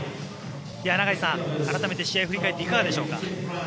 永井さん、改めて試合を振り返っていかがでしょうか。